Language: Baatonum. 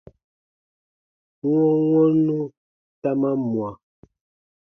Wɔnwɔnnu ta man mwa.